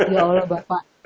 ya allah bapak